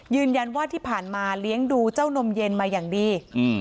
ยืนยันว่าที่ผ่านมาเลี้ยงดูเจ้านมเย็นมาอย่างดีอืม